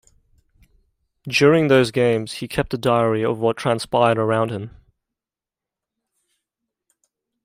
During those games, he kept a diary of what transpired around him.